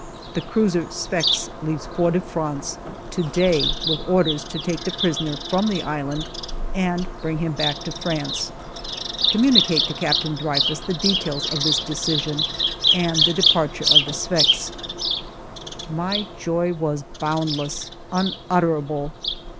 " The cruiser Sfax leaves Fort de France ^ to day with orders to take the prisoner from the island and bring him back to France. " Communicate to Captain Dreyfus the details of this decision and the departure of the Sfax." My joy was boundless, unutterable.